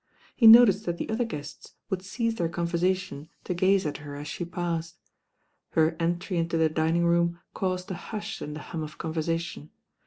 He noticed that the other guests would cease their conversation to gaze at her as she passed. Her entry into the dining room caused a hush in the hum of conversation.